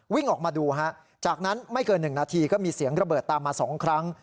วิ่งออกมาดูฮะจากนั้นไม่เกิน๑นาทีก็มีเสียงระเบิดตามมา๒ครั้ง